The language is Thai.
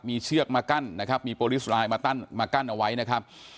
มีเชือกมากั้นนะครับมีโปรลิสไลน์มากั้นเอาไว้นะครับ